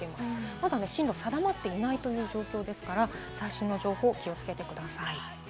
まだ進路が定まっていない状況ですから、最新の情報に気をつけてください。